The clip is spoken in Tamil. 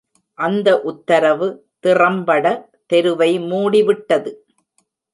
அந்த உத்தரவு திறம்பட தெருவை மூடிவிட்டது.